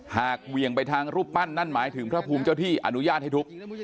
เหวี่ยงไปทางรูปปั้นนั่นหมายถึงพระภูมิเจ้าที่อนุญาตให้ทุบ